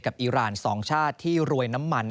กับอีรานสองชาติที่รวยน้ำมัน